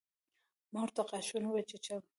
ما ورته غاښونه وچيچل.